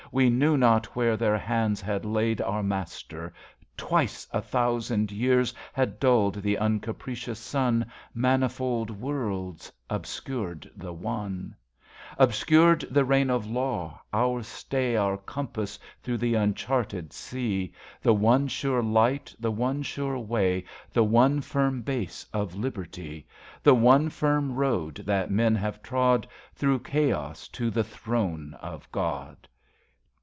... We knew not where their hands had laid Our Master. Twice a thousand years Had dulled the uncapricious sun. Manifold worlds obscured the One ; Obscured the reign of Law, our stay, Our compass thro' the uncharted sea, The one sure light, the one sure way, The one firm base of Liberty ; The one firm road that men have trod Thro' Chaos to the Throne of God.